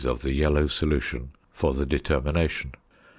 of the yellow solution for the determination.